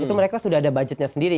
itu mereka sudah ada budgetnya sendiri